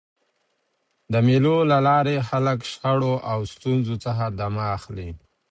د مېلو له لاري خلک له شخړو او ستونزو څخه دمه اخلي.